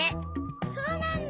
そうなんだ。